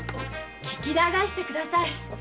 聞き流してください。